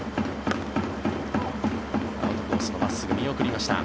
アウトコースの真っすぐ見送りました。